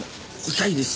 痛いです。